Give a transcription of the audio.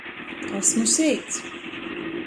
Asmu seits.